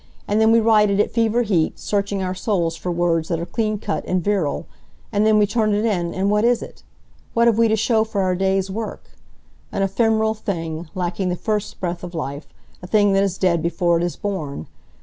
And then we write it at fever heat, searching our souls for words that are cleancut and virile. And then we turn it in, and what is it? What have we to show for our day's work? An ephemeral thing, lacking the first breath of life; a thing that is dead before it is born.